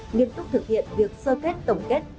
nhiên túc thực hiện việc sơ kết tổng kết